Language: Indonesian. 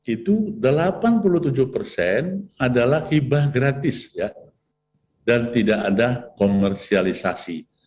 itu delapan puluh tujuh persen adalah hibah gratis dan tidak ada komersialisasi